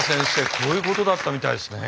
こういうことだったみたいですね。